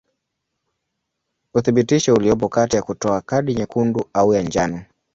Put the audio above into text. Uthibitisho uliopo katika kutoa kadi nyekundu au ya njano.